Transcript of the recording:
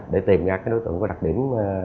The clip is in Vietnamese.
để tìm ra các đối tượng có đặc điểm